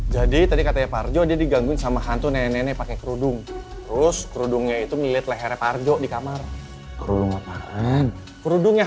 jadi predikatnya parjo jadi diganggu nni ke gospel nenek detail kerudung